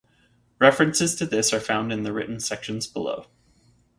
References to this are found in the written sections below.